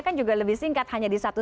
kan juga lebih singkat hanya di satu